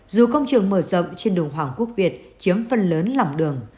dù công trường mở rộng trên đường hoàng quốc việt chiếm phân lớn lỏng đường